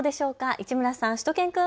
市村さん、しゅと犬くん。